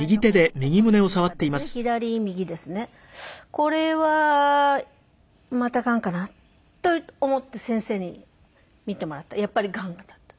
これはまたがんかなと思って先生に診てもらったらやっぱりがんだった。